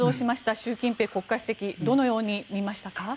習近平国家主席どのように見ましたか？